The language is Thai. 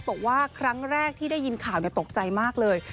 บอกว่าครั้งแรกที่ได้ยินข่าวตกใจมากเลย